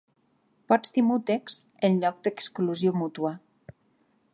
Pots dir "mutex" en lloc d'exclusió mútua.